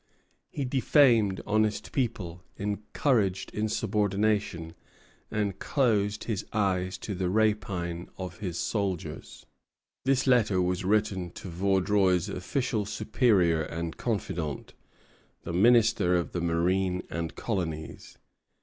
He defamed honest people, encouraged insubordination, and closed his eyes to the rapine of his soldiers." See ante, p. 167. This letter was written to Vaudreuil's official superior and confidant, the Minister of the Marine and Colonies.